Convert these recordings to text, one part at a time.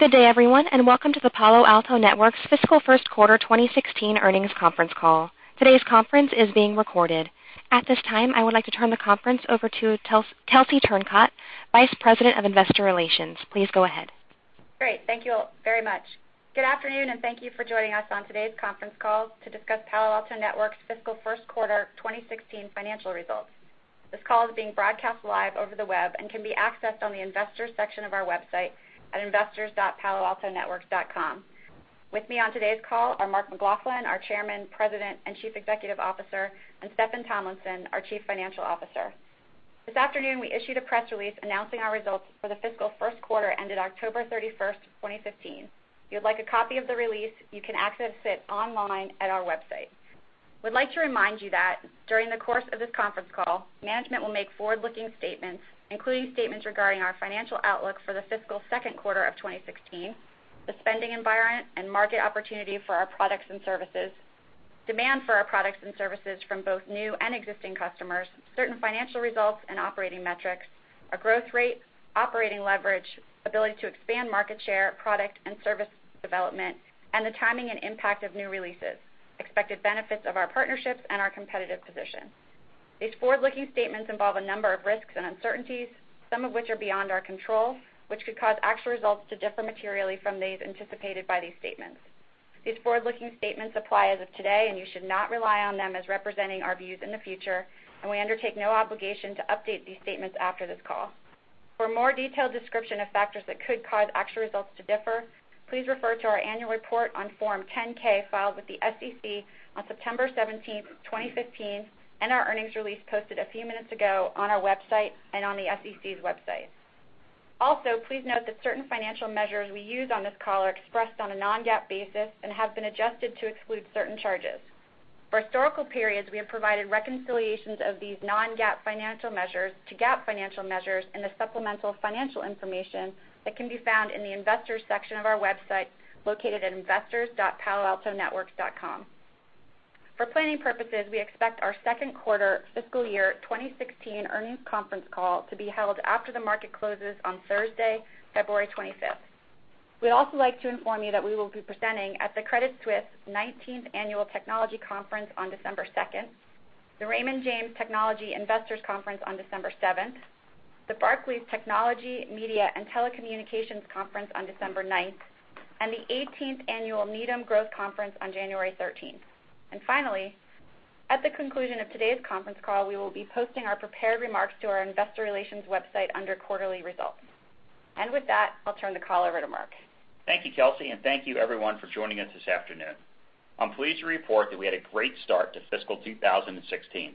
Good day, everyone, and welcome to the Palo Alto Networks fiscal first quarter 2016 earnings conference call. Today's conference is being recorded. At this time, I would like to turn the conference over to Kelsey Turcotte, Vice President of Investor Relations. Please go ahead. Great. Thank you all very much. Good afternoon, and thank you for joining us on today's conference call to discuss Palo Alto Networks' fiscal first quarter 2016 financial results. This call is being broadcast live over the web and can be accessed on the investors section of our website at investors.paloaltonetworks.com. With me on today's call are Mark McLaughlin, our Chairman, President, and Chief Executive Officer, and Steffan Tomlinson, our Chief Financial Officer. This afternoon, we issued a press release announcing our results for the fiscal first quarter ended October 31st, 2015. If you would like a copy of the release, you can access it online at our website. We'd like to remind you that during the course of this conference call, management will make forward-looking statements, including statements regarding our financial outlook for the fiscal second quarter of 2016, the spending environment and market opportunity for our products and services, demand for our products and services from both new and existing customers, certain financial results and operating metrics, our growth rate, operating leverage, ability to expand market share, product and service development, and the timing and impact of new releases, expected benefits of our partnerships, and our competitive position. These forward-looking statements involve a number of risks and uncertainties, some of which are beyond our control, which could cause actual results to differ materially from those anticipated by these statements. These forward-looking statements apply as of today, you should not rely on them as representing our views in the future, we undertake no obligation to update these statements after this call. For a more detailed description of factors that could cause actual results to differ, please refer to our annual report on Form 10-K filed with the SEC on September 17th, 2015, our earnings release posted a few minutes ago on our website and on the SEC's website. Also, please note that certain financial measures we use on this call are expressed on a non-GAAP basis and have been adjusted to exclude certain charges. For historical periods, we have provided reconciliations of these non-GAAP financial measures to GAAP financial measures in the supplemental financial information that can be found in the investors section of our website, located at investors.paloaltonetworks.com. For planning purposes, we expect our second quarter FY 2016 earnings conference call to be held after the market closes on Thursday, February 25th. We'd also like to inform you that we will be presenting at the Credit Suisse 19th Annual Technology Conference on December 2nd, the Raymond James Technology Investors Conference on December 7th, the Barclays Technology, Media and Telecommunications Conference on December 9th, and the 18th Annual Needham Growth Conference on January 13th. Finally, at the conclusion of today's conference call, we will be posting our prepared remarks to our investor relations website under quarterly results. With that, I'll turn the call over to Mark. Thank you, Kelsey, and thank you everyone for joining us this afternoon. I'm pleased to report that we had a great start to FY 2016.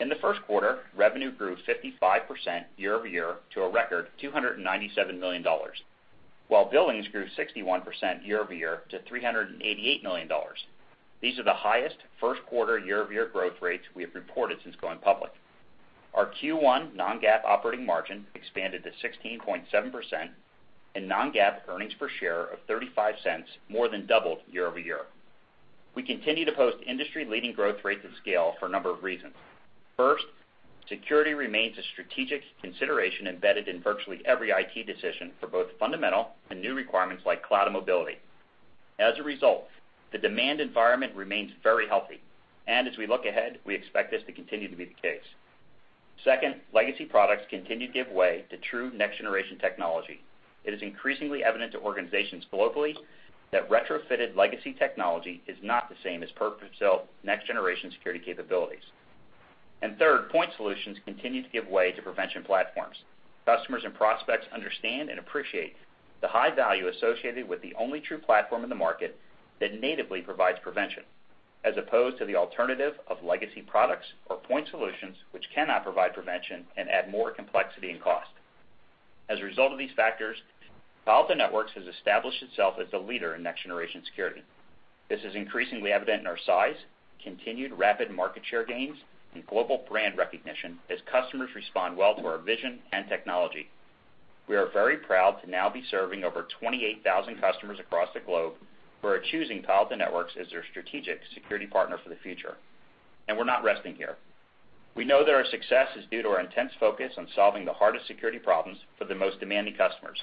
In the first quarter, revenue grew 55% year-over-year to a record $297 million, while billings grew 61% year-over-year to $388 million. These are the highest first quarter year-over-year growth rates we have reported since going public. Our Q1 non-GAAP operating margin expanded to 16.7%, and non-GAAP earnings per share of $0.35 more than doubled year-over-year. We continue to post industry-leading growth rates at scale for a number of reasons. First, security remains a strategic consideration embedded in virtually every IT decision for both fundamental and new requirements like cloud and mobility. As a result, the demand environment remains very healthy. As we look ahead, we expect this to continue to be the case. Second, legacy products continue to give way to true next-generation technology. It is increasingly evident to organizations globally that retrofitted legacy technology is not the same as purpose-built next-generation security capabilities. Third, point solutions continue to give way to prevention platforms. Customers and prospects understand and appreciate the high value associated with the only true platform in the market that natively provides prevention, as opposed to the alternative of legacy products or point solutions which cannot provide prevention and add more complexity and cost. As a result of these factors, Palo Alto Networks has established itself as the leader in next-generation security. This is increasingly evident in our size, continued rapid market share gains, and global brand recognition as customers respond well to our vision and technology. We are very proud to now be serving over 28,000 customers across the globe who are choosing Palo Alto Networks as their strategic security partner for the future. We're not resting here. We know that our success is due to our intense focus on solving the hardest security problems for the most demanding customers.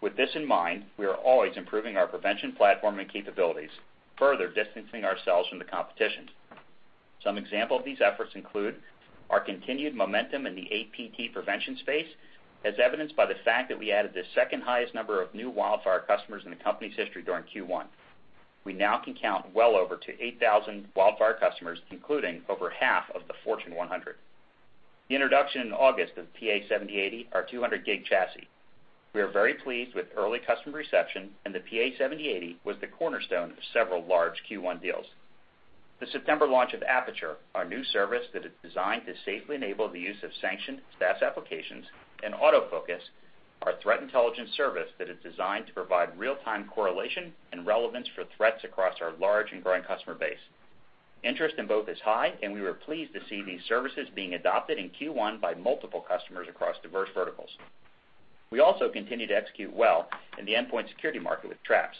With this in mind, we are always improving our prevention platform and capabilities, further distancing ourselves from the competition. Some example of these efforts include our continued momentum in the APT prevention space, as evidenced by the fact that we added the second highest number of new WildFire customers in the company's history during Q1. We now can count well over 8,000 WildFire customers, including over half of the Fortune 100. The introduction in August of PA-7080, our 200 gig chassis. We are very pleased with early customer reception. The PA-7080 was the cornerstone of several large Q1 deals. The September launch of Aperture, our new service that is designed to safely enable the use of sanctioned SaaS applications. AutoFocus, our threat intelligence service that is designed to provide real-time correlation and relevance for threats across our large and growing customer base. Interest in both is high. We were pleased to see these services being adopted in Q1 by multiple customers across diverse verticals. We also continue to execute well in the endpoint security market with Traps.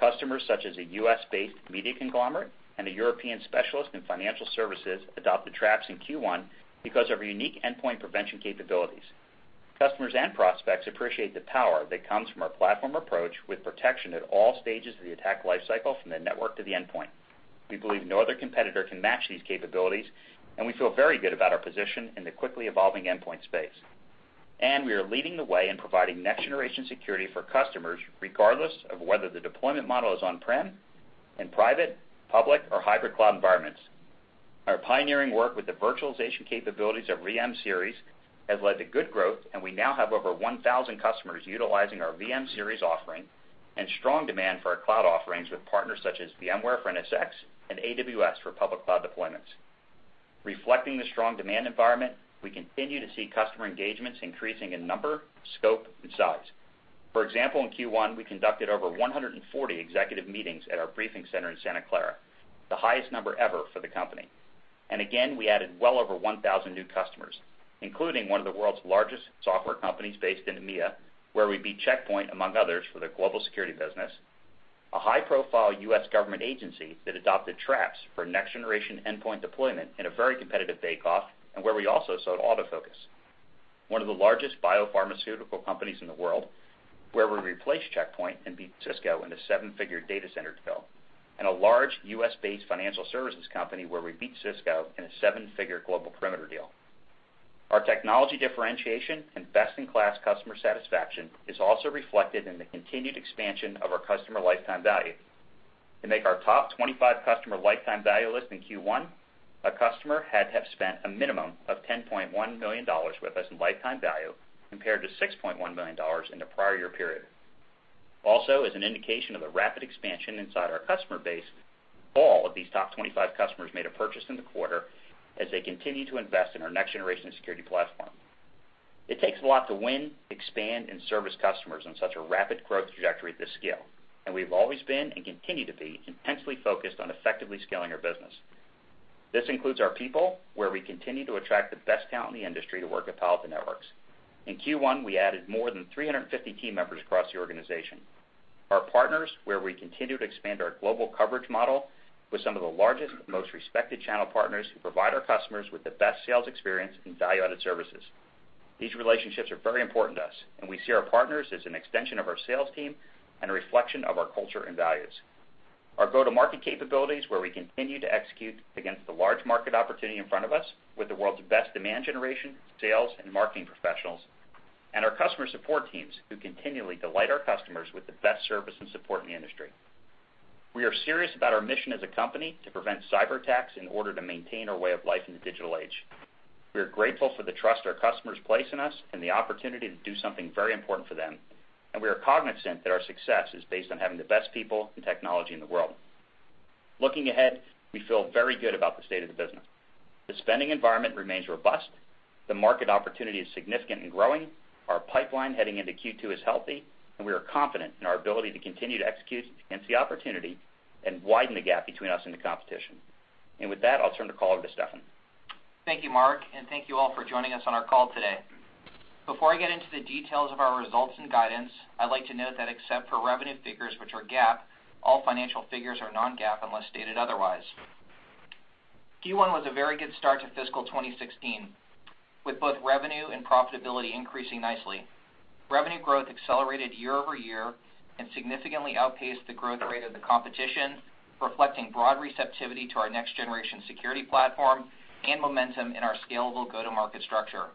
Customers such as a U.S.-based media conglomerate and a European specialist in financial services adopted Traps in Q1 because of our unique endpoint prevention capabilities. Customers and prospects appreciate the power that comes from our platform approach with protection at all stages of the attack lifecycle, from the network to the endpoint. We believe no other competitor can match these capabilities. We feel very good about our position in the quickly evolving endpoint space. We are leading the way in providing next-generation security for customers, regardless of whether the deployment model is on-prem, in private, public, or hybrid cloud environments. Our pioneering work with the virtualization capabilities of VM-Series has led to good growth. We now have over 1,000 customers utilizing our VM-Series offering and strong demand for our cloud offerings with partners such as VMware for NSX and AWS for public cloud deployments. Reflecting the strong demand environment, we continue to see customer engagements increasing in number, scope, and size. For example, in Q1, we conducted over 140 executive meetings at our briefing center in Santa Clara, the highest number ever for the company. Again, we added well over 1,000 new customers, including one of the world's largest software companies based in EMEA, where we beat Check Point, among others, for their global security business, a high-profile U.S. government agency that adopted Traps for next-generation endpoint deployment in a very competitive bake-off, and where we also sold AutoFocus. One of the largest biopharmaceutical companies in the world, where we replaced Check Point and beat Cisco in a 7-figure data center deal. A large U.S.-based financial services company where we beat Cisco in a 7-figure global perimeter deal. Our technology differentiation and best-in-class customer satisfaction is also reflected in the continued expansion of our customer lifetime value. To make our top 25 customer lifetime value list in Q1, a customer had to have spent a minimum of $10.1 million with us in lifetime value, compared to $6.1 million in the prior year period. As an indication of the rapid expansion inside our customer base, all of these top 25 customers made a purchase in the quarter as they continue to invest in our next-generation security platform. It takes a lot to win, expand, and service customers on such a rapid growth trajectory at this scale. We've always been and continue to be intensely focused on effectively scaling our business. This includes our people, where we continue to attract the best talent in the industry to work at Palo Alto Networks. In Q1, we added more than 350 team members across the organization. Our partners, where we continue to expand our global coverage model with some of the largest, most respected channel partners who provide our customers with the best sales experience and value-added services. These relationships are very important to us, and we see our partners as an extension of our sales team and a reflection of our culture and values. Our go-to-market capabilities, where we continue to execute against the large market opportunity in front of us with the world's best demand generation, sales, and marketing professionals, and our customer support teams, who continually delight our customers with the best service and support in the industry. We are serious about our mission as a company to prevent cyberattacks in order to maintain our way of life in the digital age. We are grateful for the trust our customers place in us and the opportunity to do something very important for them. We are cognizant that our success is based on having the best people and technology in the world. Looking ahead, we feel very good about the state of the business. The spending environment remains robust. The market opportunity is significant and growing. Our pipeline heading into Q2 is healthy, and we are confident in our ability to continue to execute against the opportunity and widen the gap between us and the competition. With that, I'll turn the call over to Steffan. Thank you, Mark, and thank you all for joining us on our call today. Before I get into the details of our results and guidance, I'd like to note that except for revenue figures, which are GAAP, all financial figures are non-GAAP unless stated otherwise. Q1 was a very good start to fiscal 2016, with both revenue and profitability increasing nicely. Revenue growth accelerated year-over-year and significantly outpaced the growth rate of the competition, reflecting broad receptivity to our next-generation security platform and momentum in our scalable go-to-market structure.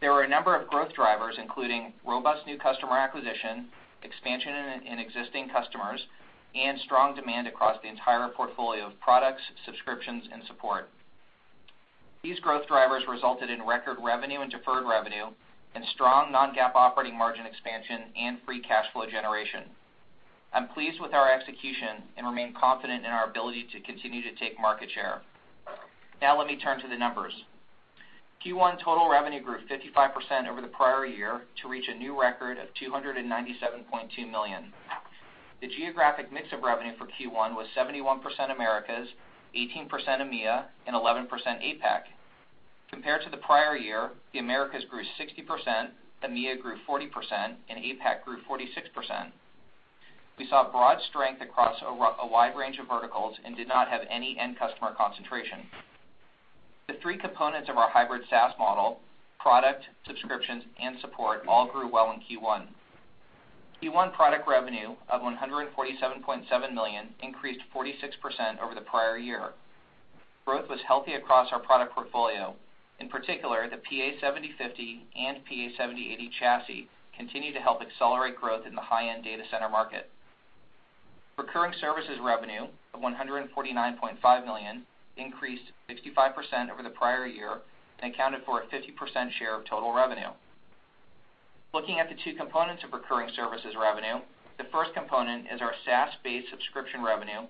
There were a number of growth drivers, including robust new customer acquisition, expansion in existing customers, and strong demand across the entire portfolio of products, subscriptions, and support. These growth drivers resulted in record revenue and deferred revenue and strong non-GAAP operating margin expansion and free cash flow generation. I'm pleased with our execution and remain confident in our ability to continue to take market share. Now let me turn to the numbers. Q1 total revenue grew 55% over the prior year to reach a new record of $297.2 million. The geographic mix of revenue for Q1 was 71% Americas, 18% EMEA, and 11% APAC. Compared to the prior year, the Americas grew 60%, EMEA grew 40%, and APAC grew 46%. We saw broad strength across a wide range of verticals and did not have any end customer concentration. The three components of our hybrid SaaS model, product, subscriptions, and support, all grew well in Q1. Q1 product revenue of $147.7 million increased 46% over the prior year. Growth was healthy across our product portfolio. In particular, the PA-7050 and PA-7080 chassis continued to help accelerate growth in the high-end data center market. Recurring services revenue of $149.5 million increased 55% over the prior year and accounted for a 50% share of total revenue. Looking at the two components of recurring services revenue, the first component is our SaaS-based subscription revenue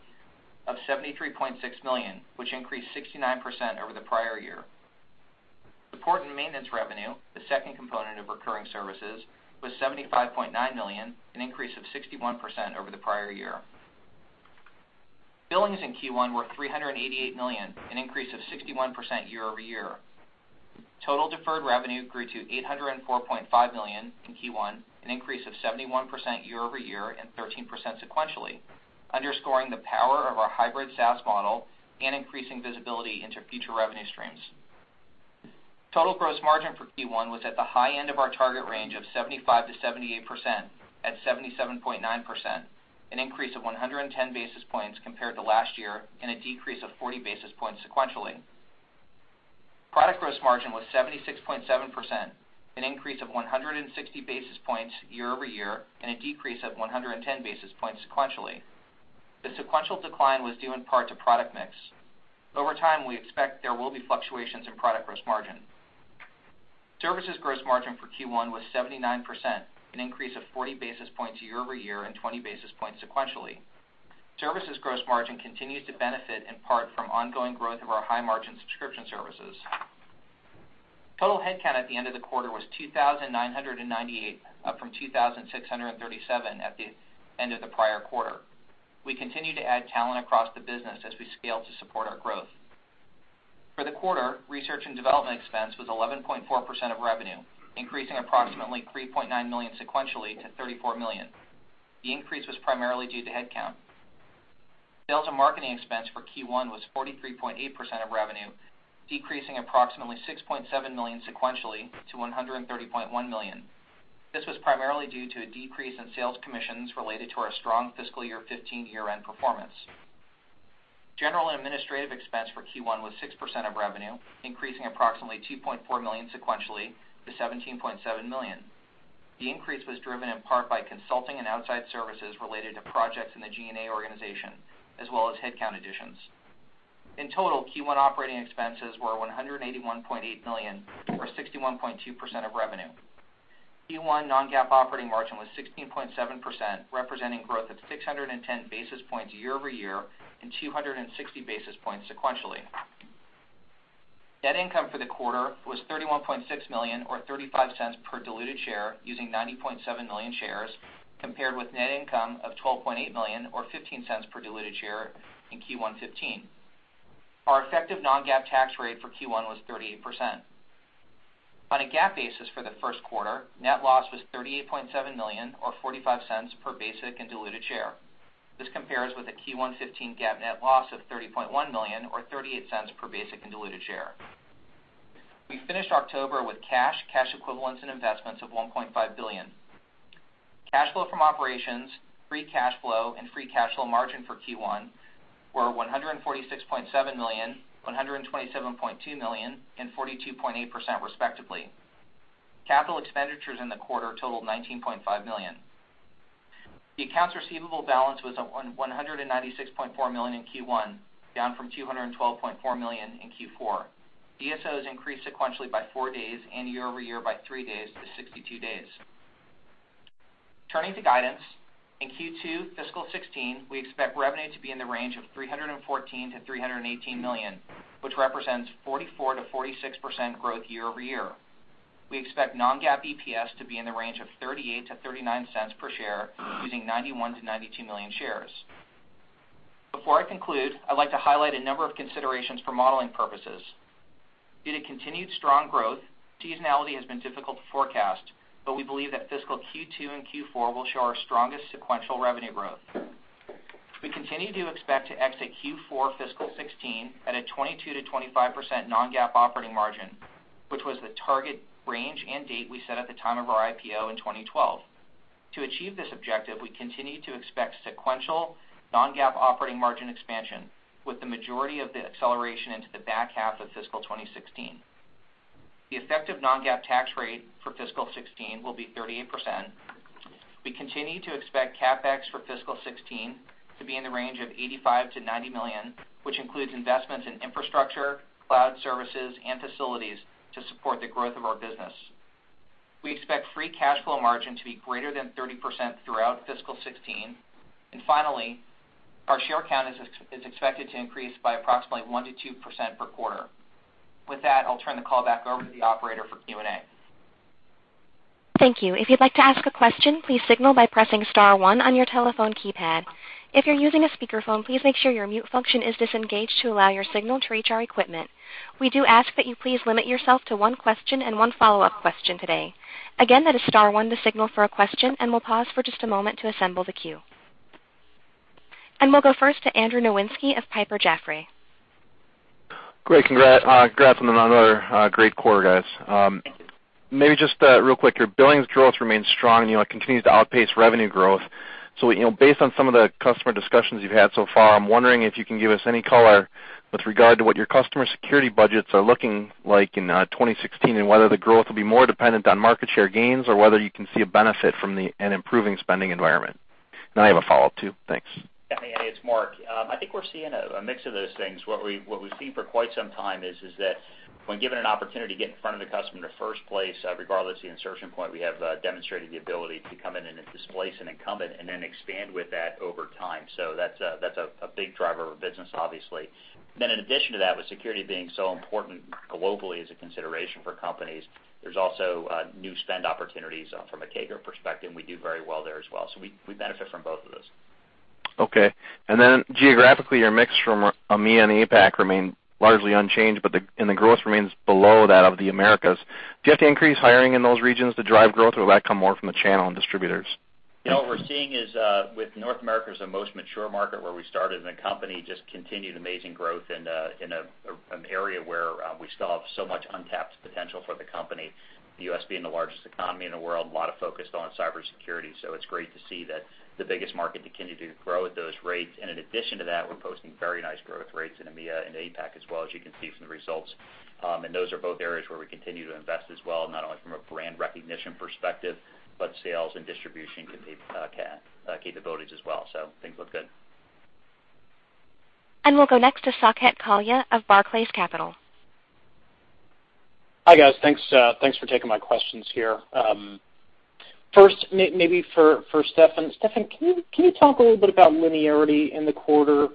of $73.6 million, which increased 69% over the prior year. Support and maintenance revenue, the second component of recurring services, was $75.9 million, an increase of 61% over the prior year. Billings in Q1 were $388 million, an increase of 61% year-over-year. Total deferred revenue grew to $804.5 million in Q1, an increase of 71% year-over-year and 13% sequentially, underscoring the power of our hybrid SaaS model and increasing visibility into future revenue streams. Total gross margin for Q1 was at the high end of our target range of 75%-78%, at 77.9%, an increase of 110 basis points compared to last year and a decrease of 40 basis points sequentially. Product gross margin was 76.7%, an increase of 160 basis points year-over-year and a decrease of 110 basis points sequentially. The sequential decline was due in part to product mix. Over time, we expect there will be fluctuations in product gross margin. Services gross margin for Q1 was 79%, an increase of 40 basis points year-over-year and 20 basis points sequentially. Services gross margin continues to benefit in part from ongoing growth of our high-margin subscription services. Total headcount at the end of the quarter was 2,998, up from 2,637 at the end of the prior quarter. We continue to add talent across the business as we scale to support our growth. For the quarter, Research and development expense was 11.4% of revenue, increasing approximately $3.9 million sequentially to $34 million. The increase was primarily due to headcount. Sales and marketing expense for Q1 was 43.8% of revenue, decreasing approximately $6.7 million sequentially to $130.1 million. This was primarily due to a decrease in sales commissions related to our strong fiscal year 2015 year-end performance. General and administrative expense for Q1 was 6% of revenue, increasing approximately $2.4 million sequentially to $17.7 million. The increase was driven in part by consulting and outside services related to projects in the G&A organization, as well as headcount additions. In total, Q1 operating expenses were $181.8 million or 61.2% of revenue. Q1 non-GAAP operating margin was 16.7%, representing growth of 610 basis points year-over-year and 260 basis points sequentially. Net income for the quarter was $31.6 million or $0.35 per diluted share using 90.7 million shares compared with net income of $12.8 million or $0.15 per diluted share in Q1 2015. Our effective non-GAAP tax rate for Q1 was 38%. On a GAAP basis for the first quarter, net loss was $38.7 million or $0.45 per basic and diluted share. This compares with a Q1 2015 GAAP net loss of $30.1 million or $0.38 per basic and diluted share. We finished October with cash equivalents, and investments of $1.5 billion. Cash flow from operations, free cash flow, and free cash flow margin for Q1 were $146.7 million, $127.2 million, and 42.8%, respectively. Capital expenditures in the quarter totaled $19.5 million. The accounts receivable balance was $196.4 million in Q1, down from $212.4 million in Q4. DSOs increased sequentially by four days and year-over-year by three days to 62 days. Turning to guidance, in Q2 fiscal 2016, we expect revenue to be in the range of $314 million-$318 million, which represents 44%-46% growth year-over-year. We expect non-GAAP EPS to be in the range of $0.38-$0.39 per share using 91 million-92 million shares. Before I conclude, I'd like to highlight a number of considerations for modeling purposes. Due to continued strong growth, seasonality has been difficult to forecast, but we believe that fiscal Q2 and Q4 will show our strongest sequential revenue growth. We continue to expect to exit Q4 fiscal 2016 at a 22%-25% non-GAAP operating margin, which was the target range and date we set at the time of our IPO in 2012. To achieve this objective, we continue to expect sequential non-GAAP operating margin expansion with the majority of the acceleration into the back half of fiscal 2016. The effective non-GAAP tax rate for fiscal 2016 will be 38%. We continue to expect CapEx for fiscal 2016 to be in the range of $85 million-$90 million, which includes investments in infrastructure, cloud services, and facilities to support the growth of our business. We expect free cash flow margin to be greater than 30% throughout fiscal 2016. Finally, our share count is expected to increase by approximately 1%-2% per quarter. With that, I'll turn the call back over to the operator for Q&A. Thank you. If you'd like to ask a question, please signal by pressing *1 on your telephone keypad. If you're using a speakerphone, please make sure your mute function is disengaged to allow your signal to reach our equipment. We do ask that you please limit yourself to one question and one follow-up question today. Again, that is *1 to signal for a question, and we'll pause for just a moment to assemble the queue. We'll go first to Andrew Nowinski of Piper Jaffray. Great. Congrats on another great quarter, guys. Thank you. Maybe just real quick, your billings growth remains strong and continues to outpace revenue growth. Based on some of the customer discussions you've had so far, I'm wondering if you can give us any color with regard to what your customer security budgets are looking like in 2016 and whether the growth will be more dependent on market share gains or whether you can see a benefit from an improving spending environment. I have a follow-up too. Thanks. Yeah. It's Mark. I think we're seeing a mix of those things. What we've seen for quite some time is that when given an opportunity to get in front of the customer in the first place, regardless of the insertion point, we have demonstrated the ability to come in and displace an incumbent and then expand with that over time. That's a big driver of our business, obviously. In addition to that, with security being so important globally as a consideration for companies, there's also new spend opportunities from a CAGR perspective, we do very well there as well. We benefit from both of those. Okay. Then geographically, your mix from EMEA and APAC remain largely unchanged, the growth remains below that of the Americas. Do you have to increase hiring in those regions to drive growth, or will that come more from the channel and distributors? What we're seeing is, with North America as the most mature market where we started as a company, just continued amazing growth in an area where we still have so much untapped potential for the company. The U.S. being the largest economy in the world, a lot of focus on cybersecurity. It's great to see that the biggest market continue to grow at those rates. In addition to that, we're posting very nice growth rates in EMEA and APAC as well, as you can see from the results. Those are both areas where we continue to invest as well, not only from a brand recognition perspective, but sales and distribution capabilities as well. Things look good. We'll go next to Saket Kalia of Barclays Capital. Hi, guys. Thanks for taking my questions here. First, maybe for Steffan. Steffan, can you talk a little bit about linearity in the quarter?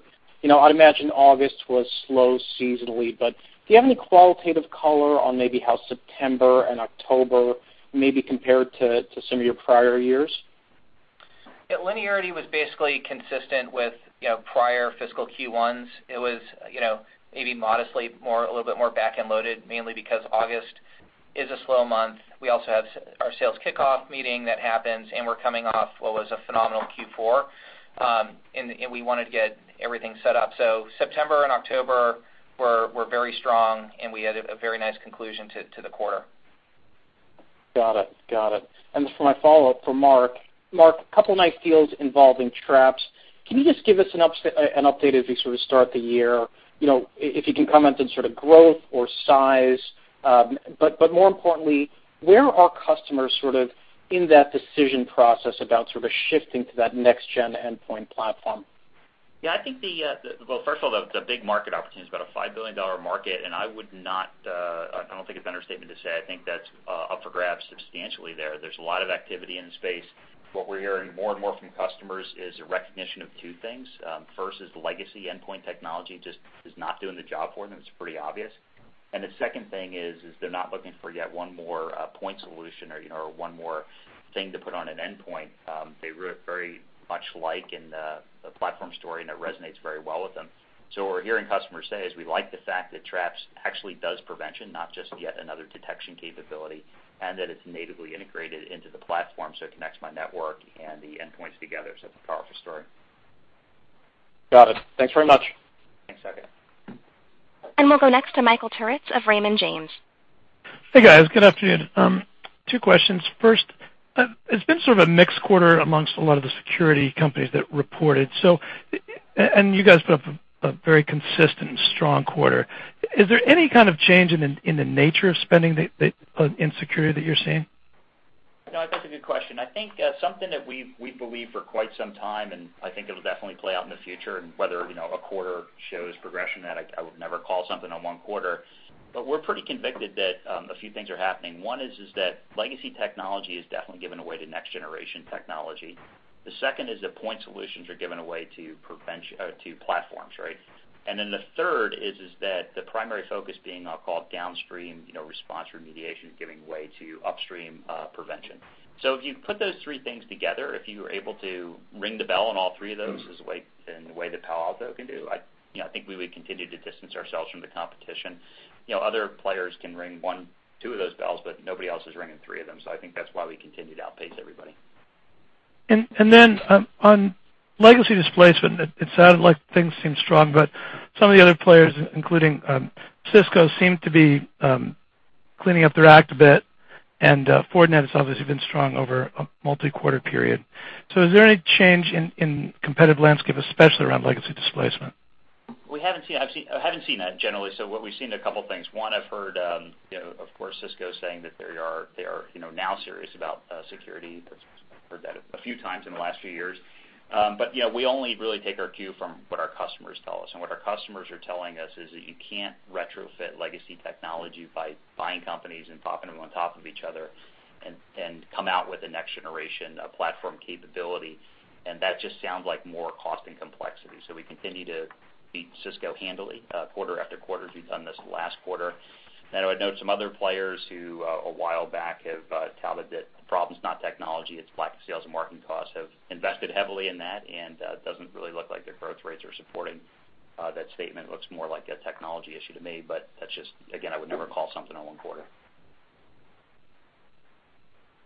I'd imagine August was slow seasonally, but do you have any qualitative color on maybe how September and October maybe compared to some of your prior years? Yeah. Linearity was basically consistent with prior fiscal Q1s. It was maybe modestly a little bit more back-end loaded, mainly because August is a slow month. We also have our sales kickoff meeting that happens, and we're coming off what was a phenomenal Q4. We wanted to get everything set up. September and October were very strong, and we had a very nice conclusion to the quarter. Got it. For my follow-up for Mark. Mark, a couple of nice deals involving Traps. Can you just give us an update as we sort of start the year? If you can comment on sort of growth or size. More importantly, where are customers sort of in that decision process about sort of shifting to that next-gen endpoint platform? Yeah, I think, first of all, the big market opportunity is about a $5 billion market. I don't think it's an understatement to say I think that's up for grabs substantially there. There's a lot of activity in the space. What we're hearing more and more from customers is a recognition of two things. First is the legacy endpoint technology just is not doing the job for them. It's pretty obvious. The second thing is they're not looking for yet one more point solution or one more thing to put on an endpoint. They very much like in the platform story, and it resonates very well with them. What we're hearing customers say is, "We like the fact that Traps actually does prevention, not just yet another detection capability, and that it's natively integrated into the platform, so it connects my network and the endpoints together." It's a powerful story. Got it. Thanks very much. Thanks, Saket. We'll go next to Michael Turits of Raymond James. Hey, guys. Good afternoon. Two questions. First, it's been sort of a mixed quarter amongst a lot of the security companies that reported. You guys put up a very consistent, strong quarter. Is there any kind of change in the nature of spending in security that you're seeing? No, I think it's a good question. I think something that we've believed for quite some time, and I think it'll definitely play out in the future, and whether a quarter shows progression, that I would never call something on one quarter. We're pretty convicted that a few things are happening. One is that legacy technology is definitely giving way to next-generation technology. The second is that point solutions are giving way to platforms, right? The third is that the primary focus being I'll call it downstream response remediation is giving way to upstream prevention. If you put those three things together, if you were able to ring the bell on all three of those in the way that Palo Alto can do, I think we would continue to distance ourselves from the competition. Other players can ring one, two of those bells, but nobody else is ringing three of them. I think that's why we continue to outpace everybody. On legacy displacement, it sounded like things seem strong, but some of the other players, including Cisco, seem to be cleaning up their act a bit. Fortinet has obviously been strong over a multi-quarter period. Is there any change in competitive landscape, especially around legacy displacement? I haven't seen that generally. What we've seen a couple things. One, I've heard, of course, Cisco saying that they are now serious about security. I've heard that a few times in the last few years. We only really take our cue from what our customers tell us. What our customers are telling us is that you can't retrofit legacy technology by buying companies and popping them on top of each other and come out with a next-generation platform capability. That just sounds like more cost and complexity. We continue to beat Cisco handily quarter after quarter, as we've done this last quarter. I would note some other players who, a while back, have touted that the problem's not technology, it's lack of sales and marketing prowess, have invested heavily in that, and it doesn't really look like their growth rates are supporting that statement. It looks more like a technology issue to me, but that's just, again, I would never call something on one quarter.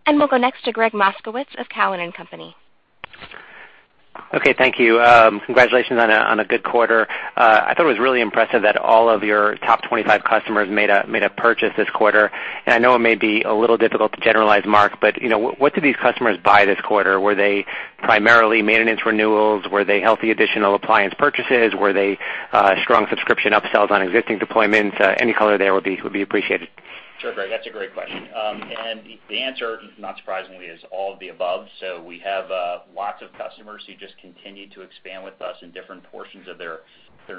We'll go next to Gregg Moskowitz of Cowen and Company. Okay. Thank you. Congratulations on a good quarter. I thought it was really impressive that all of your top 25 customers made a purchase this quarter. I know it may be a little difficult to generalize, Mark, but what did these customers buy this quarter? Were they primarily maintenance renewals? Were they healthy additional appliance purchases? Were they strong subscription upsells on existing deployments? Any color there would be appreciated. Sure, Gregg, that's a great question. The answer, not surprisingly, is all of the above. We have lots of customers who just continue to expand with us in different portions of their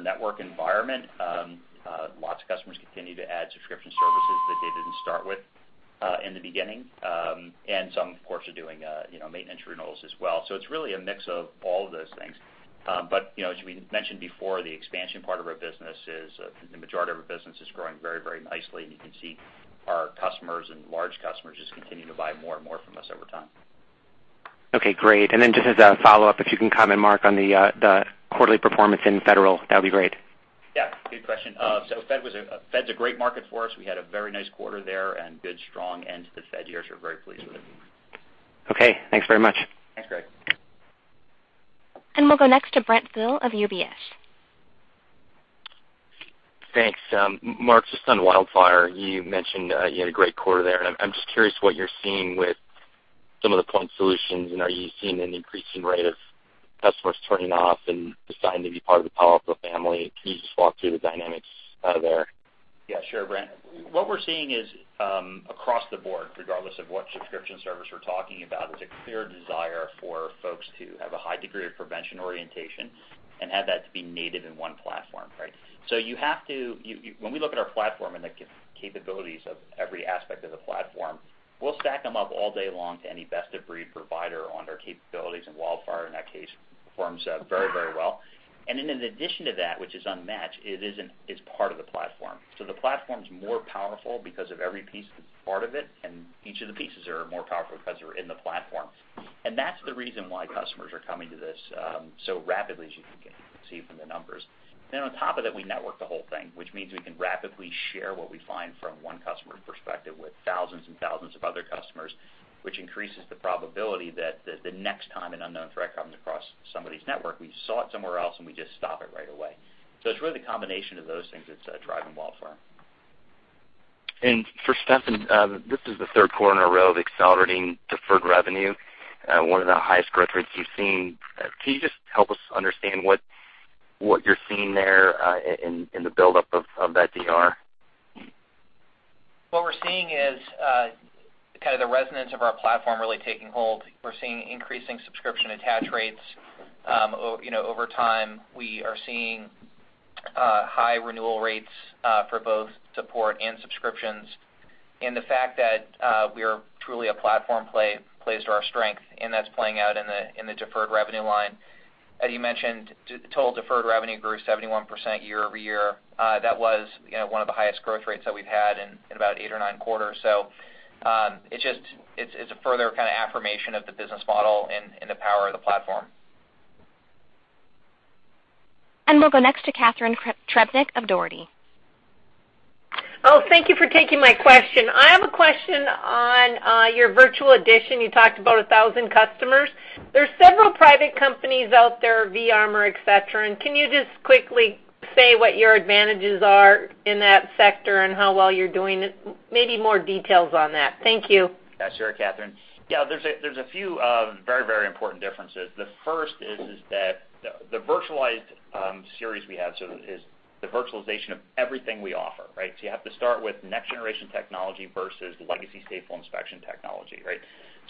network environment. Lots of customers continue to add subscription services that they didn't start with in the beginning. Some, of course, are doing maintenance renewals as well. It's really a mix of all of those things. As we mentioned before, the expansion part of our business is the majority of our business is growing very, very nicely, and you can see our customers and large customers just continue to buy more and more from us over time. Okay, great. Then just as a follow-up, if you can comment, Mark, on the quarterly performance in federal, that would be great. Good question. Fed's a great market for us. We had a very nice quarter there and good strong end to the Fed year, so we're very pleased with it. Okay, thanks very much. Thanks, Gregg. We'll go next to Brent Thill of UBS. Thanks. Mark, just on WildFire, you mentioned you had a great quarter there. I'm just curious what you're seeing with some of the point solutions. Are you seeing an increasing rate of customers turning off and deciding to be part of the Palo Alto family? Can you just walk through the dynamics there? Yeah, sure, Brent. What we're seeing is, across the board, regardless of what subscription service we're talking about, is a clear desire for folks to have a high degree of prevention orientation and have that to be native in one platform. When we look at our platform and the capabilities of every aspect of the platform, we'll stack them up all day long to any best-of-breed provider on their capabilities, and WildFire, in that case, performs very well. In addition to that, which is unmatched, it's part of the platform. The platform's more powerful because of every piece that's part of it, and each of the pieces are more powerful because they're in the platform. That's the reason why customers are coming to this so rapidly, as you can see from the numbers. On top of that, we network the whole thing, which means we can rapidly share what we find from one customer perspective with thousands and thousands of other customers, which increases the probability that the next time an unknown threat comes across somebody's network, we saw it somewhere else, and we just stop it right away. It's really the combination of those things that's driving WildFire. For Steffan, this is the third quarter in a row of accelerating deferred revenue, one of the highest growth rates you've seen. Can you just help us understand what you're seeing there in the buildup of that DR? What we're seeing is the resonance of our platform really taking hold. We're seeing increasing subscription attach rates. Over time, we are seeing high renewal rates for both support and subscriptions. The fact that we are truly a platform play plays to our strength, and that's playing out in the deferred revenue line. As you mentioned, total deferred revenue grew 71% year-over-year. That was one of the highest growth rates that we've had in about eight or nine quarters. It's a further affirmation of the business model and the power of the platform. We'll go next to Catharine Trebnick of Dougherty. Thank you for taking my question. I have a question on your virtual edition. You talked about 1,000 customers. There's several private companies out there, vArmour, et cetera, can you just quickly say what your advantages are in that sector and how well you're doing? Maybe more details on that. Thank you. Sure, Catharine. There's a few very important differences. The first is that the virtualized series we have, it is the virtualization of everything we offer. You have to start with next-generation technology versus legacy stateful inspection technology.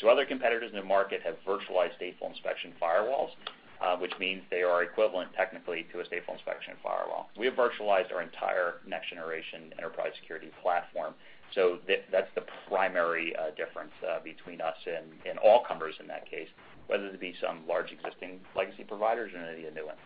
Other competitors in the market have virtualized stateful inspection firewalls, which means they are equivalent technically to a stateful inspection firewall. We have virtualized our entire next-generation enterprise security platform. That's the primary difference between us and all comers in that case, whether it be some large existing legacy providers or any of the new ones.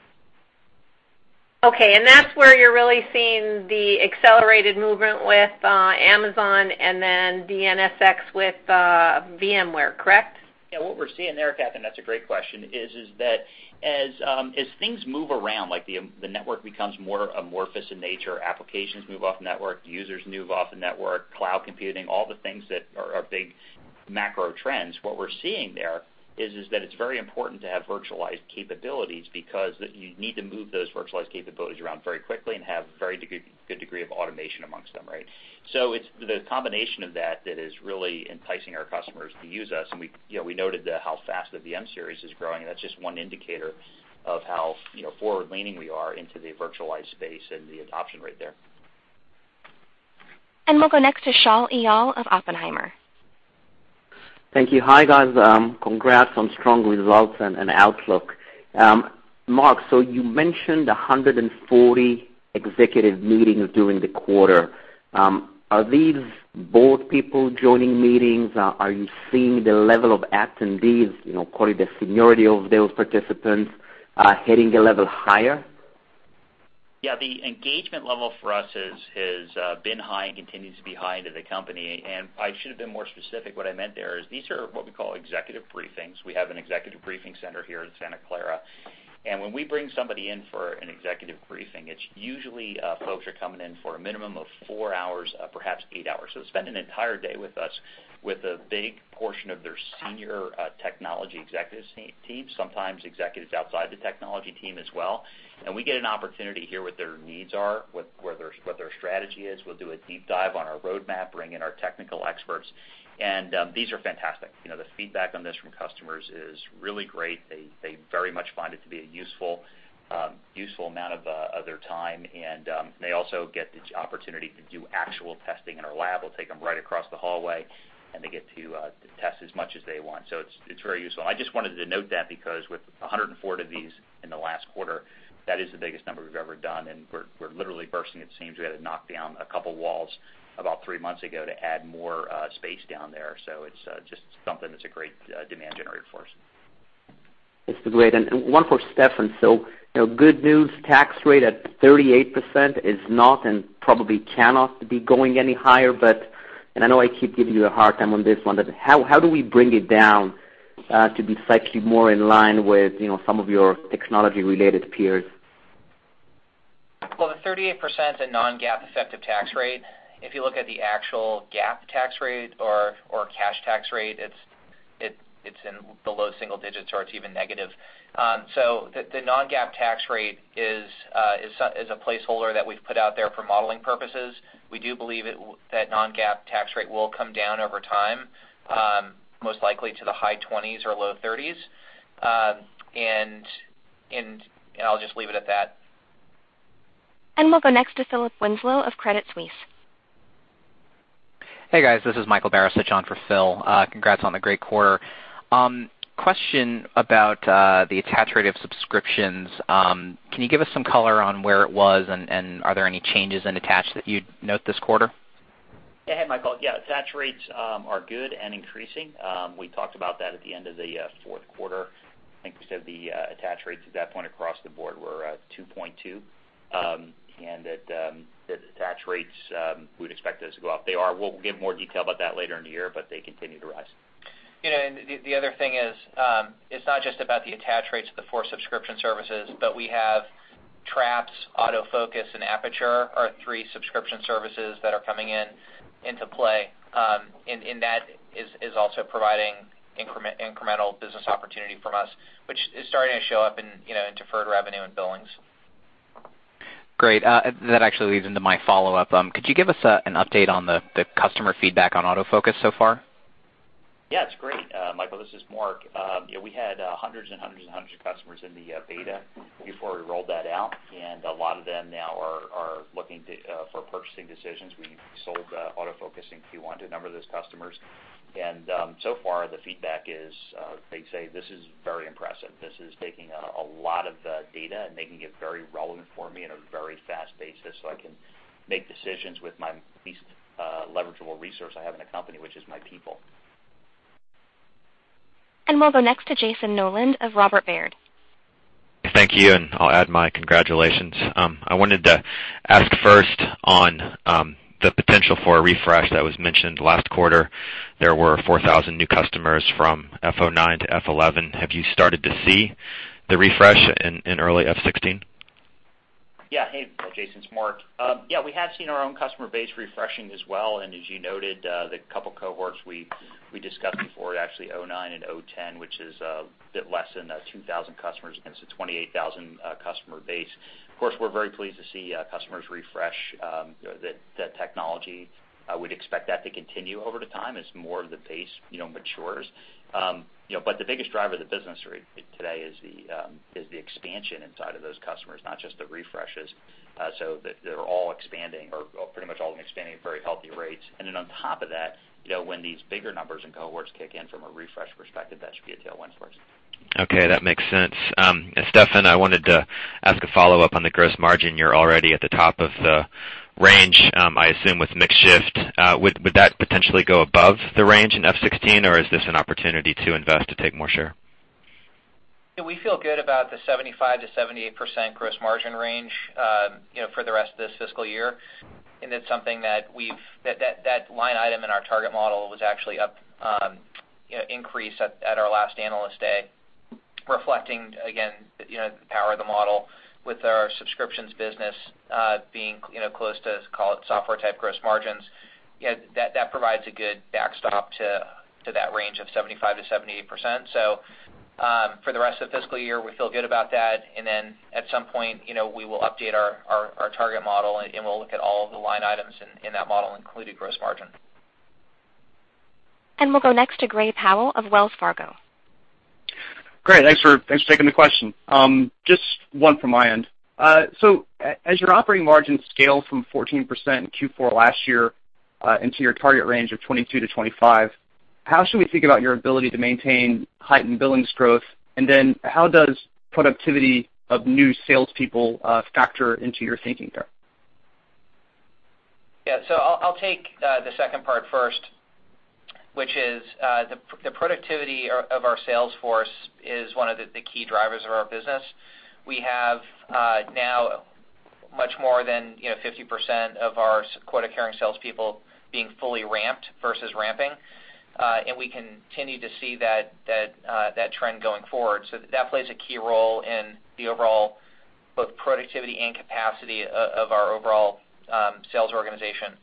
Okay, that's where you're really seeing the accelerated movement with Amazon and then NSX with VMware, correct? Yeah, what we're seeing there, Catharine, that's a great question, is that as things move around, like the network becomes more amorphous in nature, applications move off network, users move off the network, cloud computing, all the things that are big macro trends. What we're seeing there is that it's very important to have virtualized capabilities because you need to move those virtualized capabilities around very quickly and have a very good degree of automation amongst them. It's the combination of that that is really enticing our customers to use us, and we noted how fast the VM-Series is growing. That's just one indicator of how forward-leaning we are into the virtualized space and the adoption rate there. We'll go next to Shaul Eyal of Oppenheimer. Thank you. Hi, guys. Congrats on strong results and outlook. Mark, you mentioned 140 executive meetings during the quarter. Are these board people joining meetings? Are you seeing the level of attendees, call it the seniority of those participants, heading a level higher? Yeah, the engagement level for us has been high and continues to be high into the company. I should have been more specific. What I meant there is these are what we call executive briefings. We have an executive briefing center here in Santa Clara. When we bring somebody in for an executive briefing, it's usually folks are coming in for a minimum of four hours, perhaps eight hours. Spend an entire day with us with a big portion of their senior technology executives team, sometimes executives outside the technology team as well. We get an opportunity to hear what their needs are, what their strategy is. We'll do a deep dive on our roadmap, bring in our technical experts. These are fantastic. The feedback on this from customers is really great. They very much find it to be a useful amount of their time, and they also get the opportunity to do actual testing in our lab. We'll take them right across the hallway, and they get to test as much as they want. It's very useful. I just wanted to note that because with 104 of these in the last quarter, that is the biggest number we've ever done, and we're literally bursting at the seams. We had to knock down a couple walls about three months ago to add more space down there. It's just something that's a great demand generator for us. It's great. One for Steffan. Good news, tax rate at 38% is not and probably cannot be going any higher. I know I keep giving you a hard time on this one, but how do we bring it down To be slightly more in line with some of your technology-related peers. Well, the 38% is a non-GAAP effective tax rate. If you look at the actual GAAP tax rate or cash tax rate, it's in the low single digits, or it's even negative. The non-GAAP tax rate is a placeholder that we've put out there for modeling purposes. We do believe that non-GAAP tax rate will come down over time, most likely to the high 20s or low 30s. I'll just leave it at that. We'll go next to Philip Winslow of Credit Suisse. Hey, guys. This is Michael Barisich on for Phil. Congrats on the great quarter. Question about the attach rate of subscriptions. Can you give us some color on where it was and are there any changes in attach that you'd note this quarter? Hey, Michael. Yeah, attach rates are good and increasing. We talked about that at the end of the fourth quarter. I think we said the attach rates at that point across the board were 2.2, and that attach rates, we'd expect those to go up. We'll give more detail about that later in the year, but they continue to rise. The other thing is, it's not just about the attach rates of the four subscription services, but we have Traps, AutoFocus, and Aperture are three subscription services that are coming into play. That is also providing incremental business opportunity from us, which is starting to show up in deferred revenue and billings. Great. That actually leads into my follow-up. Could you give us an update on the customer feedback on AutoFocus so far? Yeah, it's great. Michael, this is Mark. We had hundreds and hundreds of customers in the beta before we rolled that out, a lot of them now are looking for purchasing decisions. We sold AutoFocus in Q1 to a number of those customers. So far, the feedback is, they say, "This is very impressive. This is taking a lot of data and making it very relevant for me in a very fast basis, so I can make decisions with my least leverageable resource I have in the company, which is my people. We'll go next to Jayson Noland of Robert W. Baird. Thank you, and I'll add my congratulations. I wanted to ask first on the potential for a refresh that was mentioned last quarter. There were 4,000 new customers from FY 2009 to FY 2011. Have you started to see the refresh in early FY 2016? Hey, Jayson, it's Mark. We have seen our own customer base refreshing as well, and as you noted, the couple cohorts we discussed before, actually FY 2009 and FY 2010, which is a bit less than 2,000 customers against a 28,000 customer base. Of course, we're very pleased to see customers refresh the technology. We'd expect that to continue over the time as more of the base matures. The biggest driver of the business today is the expansion inside of those customers, not just the refreshes. They're all expanding, or pretty much all of them expanding at very healthy rates. On top of that, when these bigger numbers and cohorts kick in from a refresh perspective, that should be a tailwind for us. Okay, that makes sense. Steffan, I wanted to ask a follow-up on the gross margin. You're already at the top of the range, I assume, with mix shift. Would that potentially go above the range in FY 2016, or is this an opportunity to invest to take more share? We feel good about the 75%-78% gross margin range for the rest of this fiscal year. It's something that line item in our target model was actually up increase at our last Analyst Day, reflecting again, the power of the model with our subscriptions business being close to, call it software-type gross margins. That provides a good backstop to that range of 75%-78%. For the rest of the fiscal year, we feel good about that. At some point, we will update our target model, and we'll look at all of the line items in that model, including gross margin. We'll go next to Gray Powell of Wells Fargo. Great. Thanks for taking the question. Just one from my end. As your operating margin scale from 14% in Q4 last year into your target range of 22%-25%, how should we think about your ability to maintain heightened billings growth? How does productivity of new salespeople factor into your thinking there? Yeah. I'll take the second part first, which is the productivity of our sales force is one of the key drivers of our business. We have now much more than 50% of our quota-carrying salespeople being fully ramped versus ramping. We continue to see that trend going forward. That plays a key role in the overall both productivity and capacity of our overall sales organization.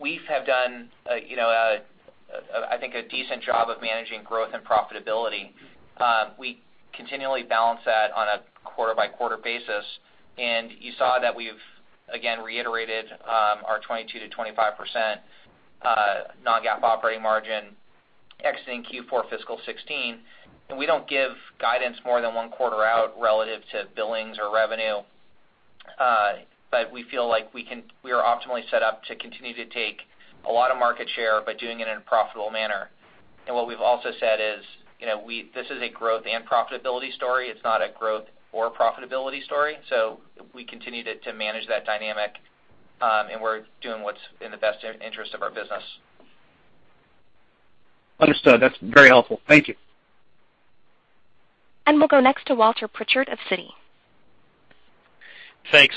We have done, I think, a decent job of managing growth and profitability. We continually balance that on a quarter-by-quarter basis. You saw that we've again reiterated our 22%-25% non-GAAP operating margin exiting Q4 fiscal 2016. We don't give guidance more than one quarter out relative to billings or revenue. We feel like we are optimally set up to continue to take a lot of market share by doing it in a profitable manner. What we've also said is, this is a growth and profitability story. It's not a growth or profitability story. We continue to manage that dynamic, and we're doing what's in the best interest of our business. Understood. That's very helpful. Thank you. We'll go next to Walter Pritchard of Citi. Thanks.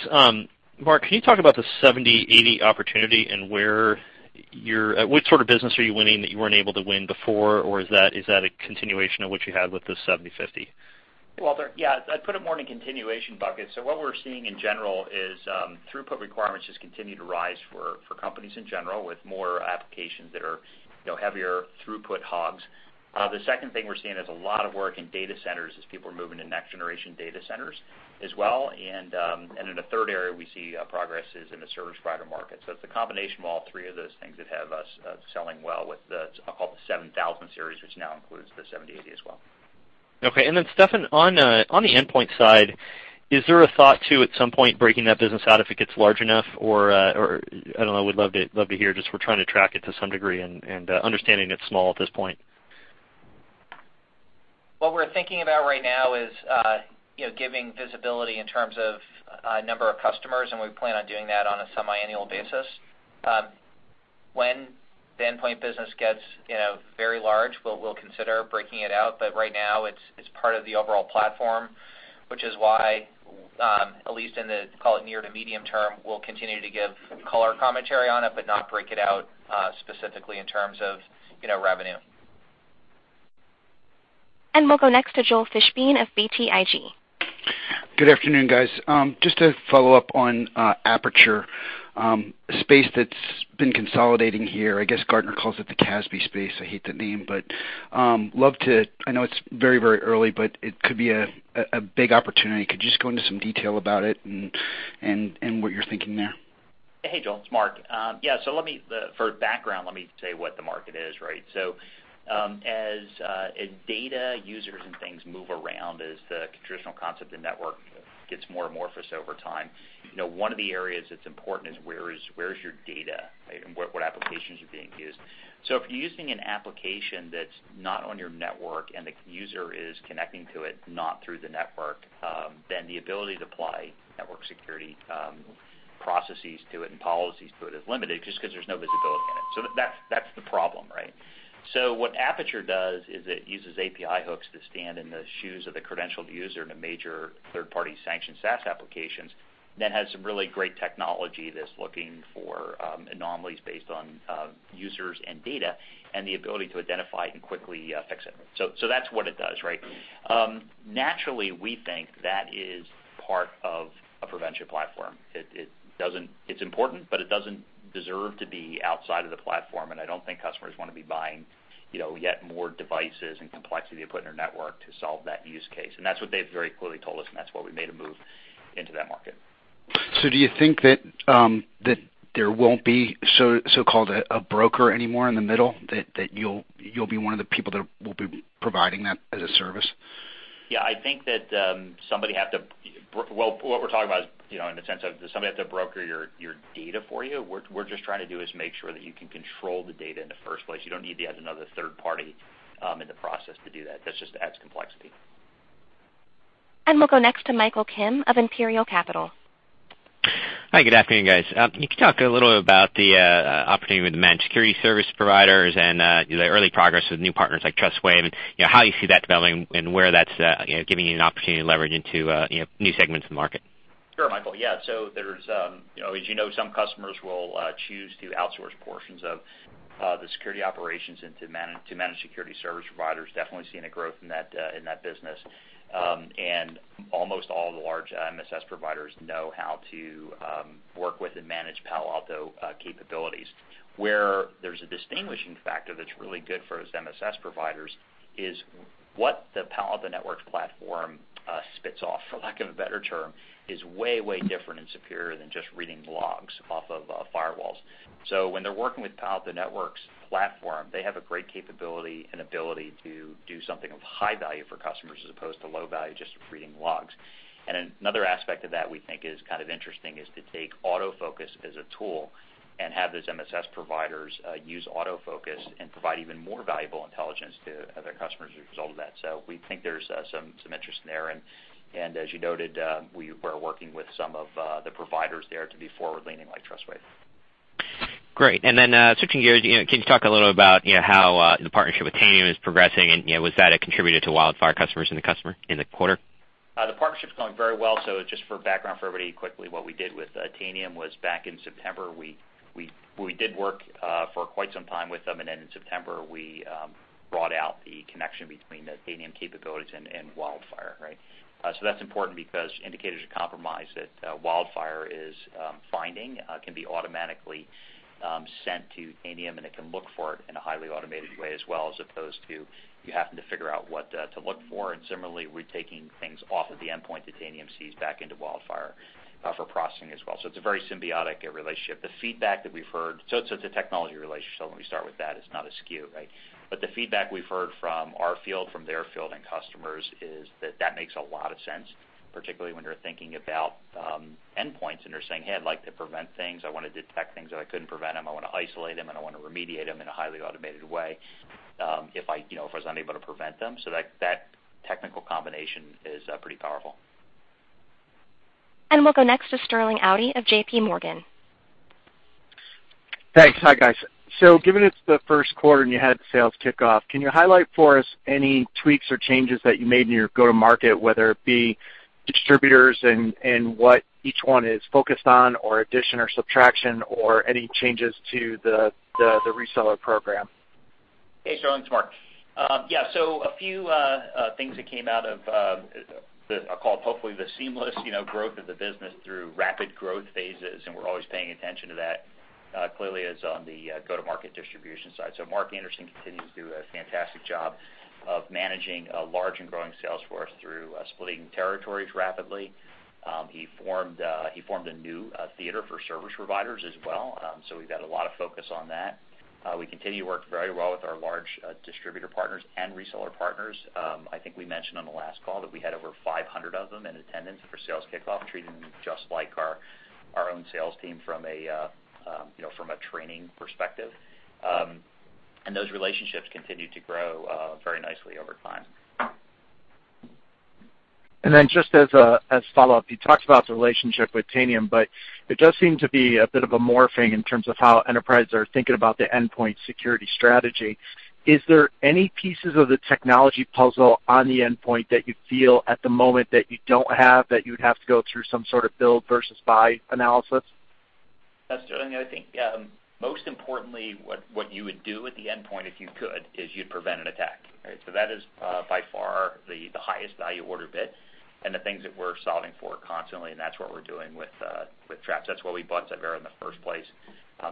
Mark, can you talk about the 7080 opportunity and what sort of business are you winning that you weren't able to win before, or is that a continuation of what you had with the 7050? Walter, yeah, I'd put it more in a continuation bucket. What we're seeing in general is throughput requirements just continue to rise for companies in general with more applications that are heavier throughput hogs. The second thing we're seeing is a lot of work in data centers as people are moving to next-generation data centers as well. Then the third area we see progress is in the service provider market. It's a combination of all three of those things that have us selling well with the, call it the 7000 series, which now includes the 7080 as well. Then Steffan, on the endpoint side, is there a thought to, at some point, breaking that business out if it gets large enough or, I don't know, we'd love to hear, just we're trying to track it to some degree and understanding it's small at this point. What we're thinking about right now is giving visibility in terms of number of customers, and we plan on doing that on a semiannual basis. When the endpoint business gets very large, we'll consider breaking it out. Right now, it's part of the overall platform, which is why, at least in the, call it near to medium term, we'll continue to give color commentary on it but not break it out specifically in terms of revenue. We'll go next to Joel Fishbein of BTIG. Good afternoon, guys. Just to follow up on Aperture, a space that's been consolidating here. I guess Gartner calls it the CASB space. I hate that name. I know it's very early, but it could be a big opportunity. Could you just go into some detail about it and what you're thinking there? Hey, Joel, it's Mark. For background, let me say what the market is, right? As data users and things move around as the traditional concept of the network gets more amorphous over time, one of the areas that's important is where is your data and what applications are being used. If you're using an application that's not on your network and the user is connecting to it, not through the network, then the ability to apply network security processes to it and policies to it is limited just because there's no visibility in it. That's the problem, right? What Aperture does is it uses API hooks to stand in the shoes of the credentialed user to major third-party sanctioned SaaS applications, then has some really great technology that's looking for anomalies based on users and data, and the ability to identify and quickly fix it. That's what it does, right? Naturally, we think that is part of a prevention platform. It's important, but it doesn't deserve to be outside of the platform, and I don't think customers want to be buying yet more devices and complexity to put in their network to solve that use case. That's what they've very clearly told us, and that's why we made a move into that market. Do you think that there won't be so-called a broker anymore in the middle, that you'll be one of the people that will be providing that as a service? I think that. Well, what we're talking about is in the sense of does somebody have to broker your data for you? What we're just trying to do is make sure that you can control the data in the first place. You don't need to add another third party in the process to do that. That just adds complexity. We'll go next to Michael Kim of Imperial Capital. Hi, good afternoon, guys. Can you talk a little bit about the opportunity with managed security service providers and the early progress with new partners like Trustwave, how you see that developing and where that's giving you an opportunity to leverage into new segments of the market? Sure, Michael. Yeah. As you know, some customers will choose to outsource portions of the security operations to managed security service providers. Definitely seeing a growth in that business. Almost all the large MSS providers know how to work with and manage Palo Alto capabilities. Where there's a distinguishing factor that's really good for those MSS providers is what the Palo Alto Networks platform spits off, for lack of a better term, is way different and superior than just reading logs off of firewalls. When they're working with Palo Alto Networks platform, they have a great capability and ability to do something of high value for customers as opposed to low value, just reading logs. Another aspect of that we think is kind of interesting is to take AutoFocus as a tool and have those MSS providers use AutoFocus and provide even more valuable intelligence to their customers as a result of that. We think there's some interest there and, as you noted, we're working with some of the providers there to be forward-leaning, like Trustwave. Great. Then switching gears, can you talk a little about how the partnership with Tanium is progressing and was that a contributor to WildFire customers in the quarter? The partnership's going very well. Just for background for everybody, quickly, what we did with Tanium was back in September, we did work for quite some time with them, then in September, we brought out the connection between the Tanium capabilities and WildFire. That's important because indicators of compromise that WildFire is finding can be automatically sent to Tanium, and it can look for it in a highly automated way, as well as opposed to you having to figure out what to look for. Similarly, we're taking things off of the endpoint that Tanium sees back into WildFire for processing as well. It's a very symbiotic relationship. The feedback that we've heard. It's a technology relationship. Let me start with that. It's not a SKU, right? The feedback we've heard from our field, from their field and customers is that that makes a lot of sense, particularly when you're thinking about endpoints and they're saying, "Hey, I'd like to prevent things. I want to detect things that I couldn't prevent, and I want to isolate them, and I want to remediate them in a highly automated way if I was unable to prevent them." That technical combination is pretty powerful. We'll go next to Sterling Auty of J.P. Morgan. Thanks. Hi, guys. Given it's the first quarter and you had the Sales Kickoff, can you highlight for us any tweaks or changes that you made in your go-to-market, whether it be distributors and what each one is focused on, or addition or subtraction, or any changes to the reseller program? Hey, Sterling. It's Mark. Yeah. A few things that came out of the, I'll call it, hopefully, the seamless growth of the business through rapid growth phases, and we're always paying attention to that, clearly is on the go-to-market distribution side. Mark Anderson continues to do a fantastic job of managing a large and growing sales force through splitting territories rapidly. He formed a new theater for service providers as well. We've got a lot of focus on that. We continue to work very well with our large distributor partners and reseller partners. I think we mentioned on the last call that we had over 500 of them in attendance for Sales Kickoff, treating them just like our own sales team from a training perspective. Those relationships continue to grow very nicely over time. Just as a follow-up, you talked about the relationship with Tanium, it does seem to be a bit of a morphing in terms of how enterprises are thinking about the endpoint security strategy. Is there any pieces of the technology puzzle on the endpoint that you feel at the moment that you don't have, that you would have to go through some sort of build versus buy analysis? That's Sterling. I think most importantly, what you would do at the endpoint, if you could, is you'd prevent an attack. That is by far the highest value order bit and the things that we're solving for constantly, and that's what we're doing with Traps. That's why we bought Cyvera in the first place.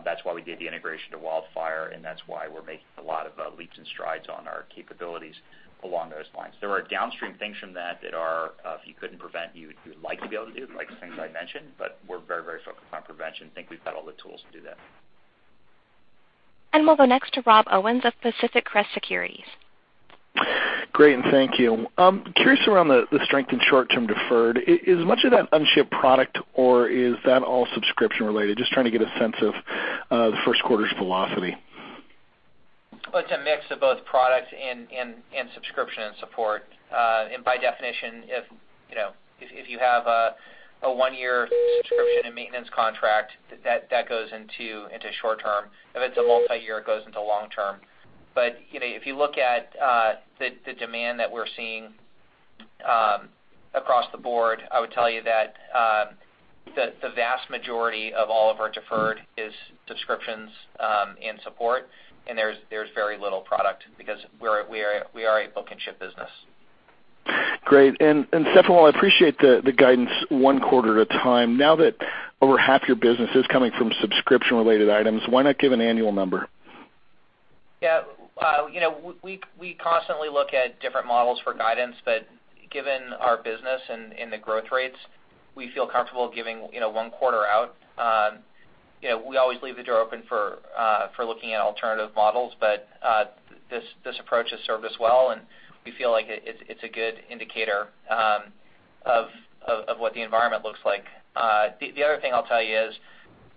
That's why we did the integration to WildFire, that's why we're making a lot of leaps and strides on our capabilities along those lines. There are downstream things from that are, if you couldn't prevent, you'd like to be able to do, like the things I mentioned, we're very focused on prevention. I think we've got all the tools to do that. We'll go next to Rob Owens of Pacific Crest Securities. Great, thank you. Curious around the strength in short-term deferred. Is much of that unshipped product, or is that all subscription related? Just trying to get a sense of the first quarter's velocity. Well, it's a mix of both products and subscription and support. By definition, if you have a one-year subscription and maintenance contract, that goes into short-term. If it's a multi-year, it goes into long-term. If you look at the demand that we're seeing across the board, I would tell you that the vast majority of all of our deferred is subscriptions and support, and there's very little product because we are a book-and-ship business. Great. Steffan, while I appreciate the guidance one quarter at a time, now that over half your business is coming from subscription-related items, why not give an annual number? Yeah. We constantly look at different models for guidance. Given our business and the growth rates, we feel comfortable giving one quarter out. We always leave the door open for looking at alternative models, but this approach has served us well, and we feel like it's a good indicator of what the environment looks like. The other thing I'll tell you is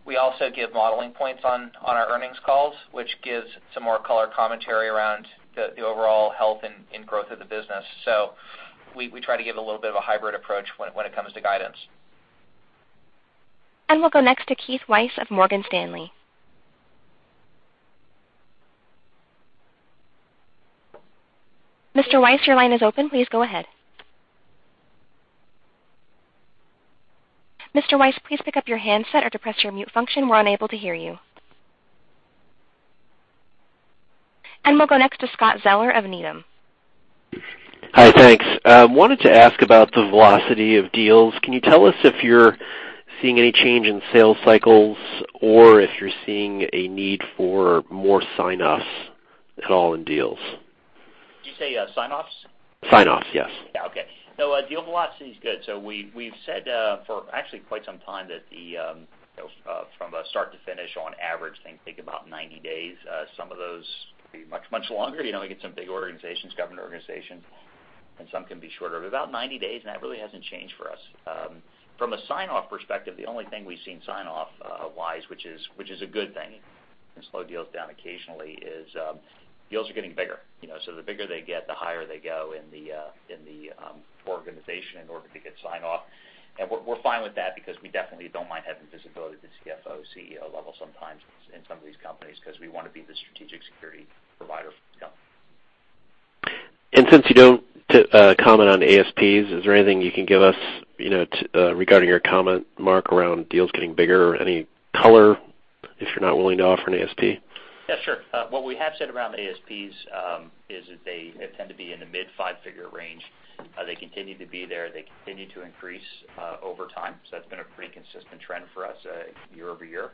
we also give modeling points on our earnings calls, which gives some more color commentary around the overall health and growth of the business. We try to give a little bit of a hybrid approach when it comes to guidance. We'll go next to Keith Weiss of Morgan Stanley. Mr. Weiss, your line is open. Please go ahead. Mr. Weiss, please pick up your handset or depress your mute function. We're unable to hear you. We'll go next to Scott Zeller of Needham. Hi, thanks. I wanted to ask about the velocity of deals. Can you tell us if you're seeing any change in sales cycles or if you're seeing a need for more sign-offs at all in deals? Did you say sign-offs? Sign-offs, yes. Yeah. Okay. No, deal velocity is good. We've said for actually quite some time that from a start to finish on average, think about 90 days. Some of those could be much longer. We get some big organizations, government organizations, and some can be shorter, but about 90 days, and that really hasn't changed for us. From a sign-off perspective, the only thing we've seen sign-off wise, which is a good thing, can slow deals down occasionally, is deals are getting bigger. The bigger they get, the higher they go in the organization in order to get sign off. We're fine with that because we definitely don't mind having visibility to CFO, CEO level sometimes in some of these companies because we want to be the strategic security provider for the company. Since you don't comment on ASPs, is there anything you can give us regarding your comment, Mark, around deals getting bigger? Any color, if you're not willing to offer an ASP? Yeah, sure. What we have said around ASPs is that they tend to be in the mid five-figure range. They continue to be there. They continue to increase over time. That's been a pretty consistent trend for us year-over-year.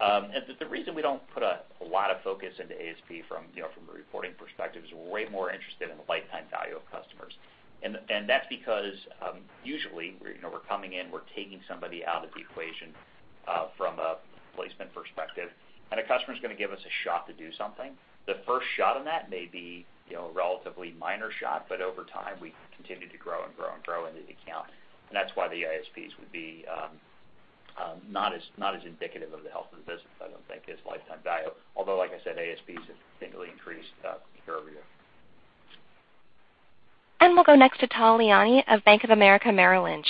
The reason we don't put a lot of focus into ASP from a reporting perspective is we're way more interested in the lifetime value of customers. That's because usually, we're coming in, we're taking somebody out of the equation from a placement perspective, and a customer's going to give us a shot to do something. The first shot on that may be a relatively minor shot, but over time, we continue to grow and grow in the account. That's why the ASPs would be not as indicative of the health of the business, I don't think, as lifetime value. Although, like I said, ASPs have significantly increased year-over-year. We'll go next to Tal Liani of Bank of America Merrill Lynch.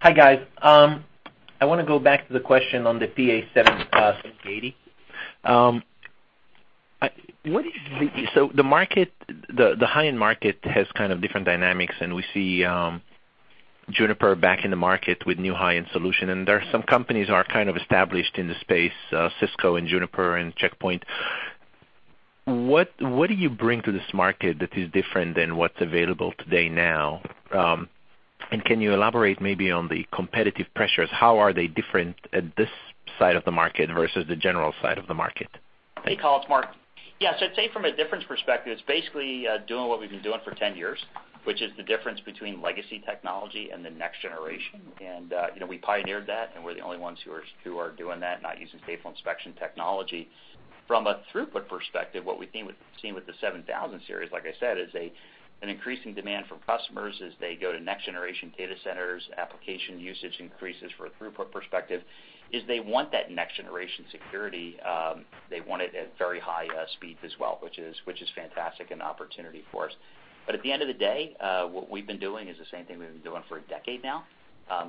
Hi, guys. I want to go back to the question on the PA-7080. The high-end market has kind of different dynamics, we see Juniper back in the market with new high-end solution, there are some companies are kind of established in the space, Cisco and Juniper and Check Point. What do you bring to this market that is different than what's available today now? Can you elaborate maybe on the competitive pressures? How are they different at this side of the market versus the general side of the market? Hey, Tal. It's Mark. Yeah, I'd say from a difference perspective, it's basically doing what we've been doing for 10 years, which is the difference between legacy technology and the next generation. We pioneered that, and we're the only ones who are doing that, not using stateful inspection technology. From a throughput perspective, what we've seen with the 7000 series, like I said, is an increasing demand from customers as they go to next-generation data centers, application usage increases for a throughput perspective, is they want that next-generation security. They want it at very high speeds as well, which is fantastic, an opportunity for us. At the end of the day, what we've been doing is the same thing we've been doing for a decade now,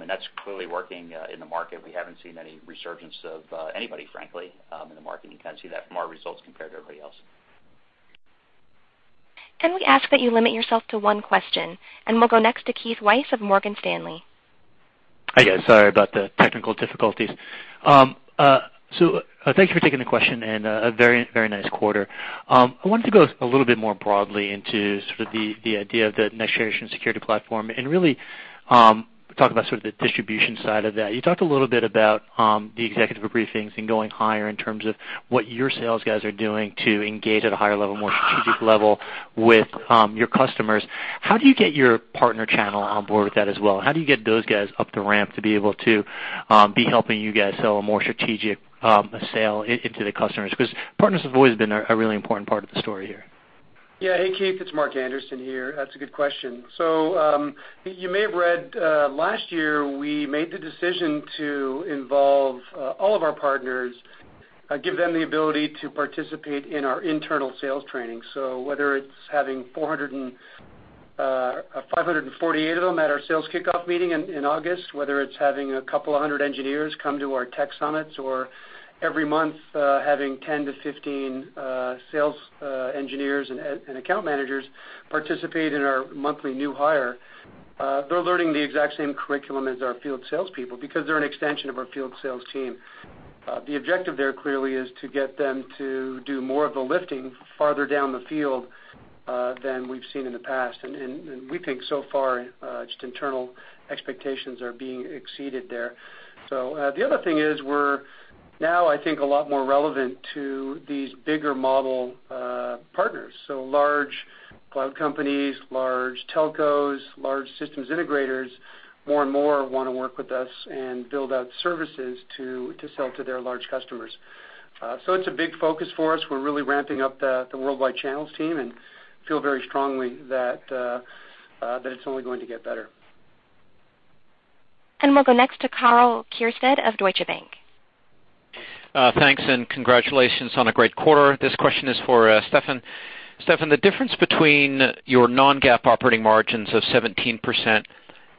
that's clearly working in the market. We haven't seen any resurgence of anybody, frankly, in the market. You kind of see that from our results compared to everybody else. Can we ask that you limit yourself to one question? We'll go next to Keith Weiss of Morgan Stanley. Hi, guys. Sorry about the technical difficulties. Thanks for taking the question, and a very nice quarter. I wanted to go a little bit more broadly into sort of the idea of the next-generation security platform and really talk about sort of the distribution side of that. You talked a little bit about the executive briefings and going higher in terms of what your sales guys are doing to engage at a higher level, more strategic level with your customers. How do you get your partner channel on board with that as well? How do you get those guys up the ramp to be able to be helping you guys sell a more strategic sale into the customers? Partners have always been a really important part of the story here. Yeah. Hey, Keith, it's Mark Anderson here. That's a good question. You may have read, last year we made the decision to involve all of our partners, give them the ability to participate in our internal sales training. Whether it's having 548 of them at our sales kickoff meeting in August, whether it's having a couple of hundred engineers come to our tech summits, or every month having 10-15 sales engineers and account managers participate in our monthly new hire, they're learning the exact same curriculum as our field salespeople because they're an extension of our field sales team. The objective there, clearly, is to get them to do more of the lifting farther down the field than we've seen in the past. We think so far, just internal expectations are being exceeded there. The other thing is we're now, I think, a lot more relevant to these bigger model partners. Large cloud companies, large telcos, large systems integrators, more and more want to work with us and build out services to sell to their large customers. It's a big focus for us. We're really ramping up the worldwide channels team and feel very strongly that it's only going to get better. We'll go next to Karl Keirstead of Deutsche Bank. Thanks, congratulations on a great quarter. This question is for Steffan. Steffan, the difference between your non-GAAP operating margins of 17%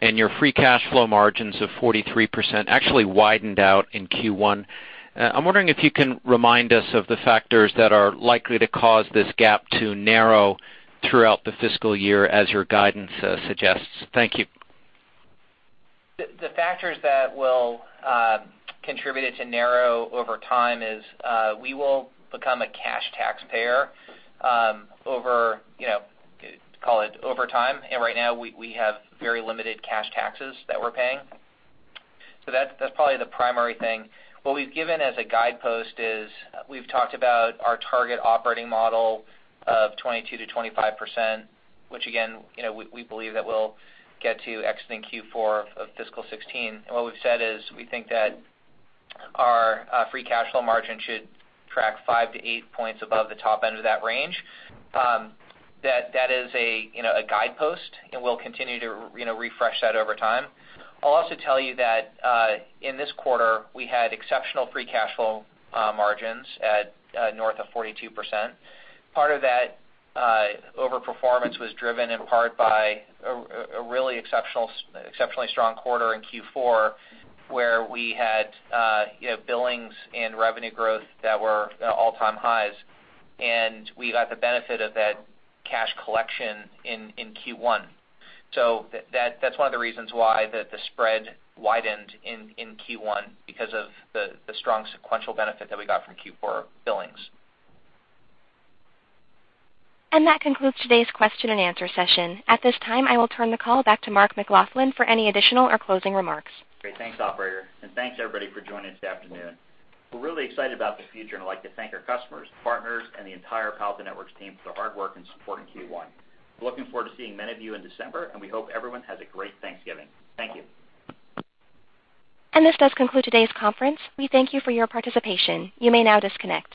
and your free cash flow margins of 43% actually widened out in Q1. I'm wondering if you can remind us of the factors that are likely to cause this gap to narrow throughout the fiscal year as your guidance suggests. Thank you. The factors that will contribute it to narrow over time is we will become a cash taxpayer over, call it over time. Right now, we have very limited cash taxes that we're paying. That's probably the primary thing. What we've given as a guidepost is we've talked about our target operating model of 22%-25%, which again, we believe that we'll get to exiting Q4 of FY 2016. What we've said is we think that our free cash flow margin should track five to eight points above the top end of that range. That is a guidepost, and we'll continue to refresh that over time. I'll also tell you that in this quarter, we had exceptional free cash flow margins at north of 42%. Part of that over-performance was driven in part by a really exceptionally strong quarter in Q4, where we had billings and revenue growth that were all-time highs. We got the benefit of that cash collection in Q1. That's one of the reasons why the spread widened in Q1 because of the strong sequential benefit that we got from Q4 billings. That concludes today's question and answer session. At this time, I will turn the call back to Mark McLaughlin for any additional or closing remarks. Great. Thanks, operator, thanks, everybody, for joining us this afternoon. We're really excited about the future, I'd like to thank our customers, partners, and the entire Palo Alto Networks team for their hard work in supporting Q1. We're looking forward to seeing many of you in December, we hope everyone has a great Thanksgiving. Thank you. This does conclude today's conference. We thank you for your participation. You may now disconnect.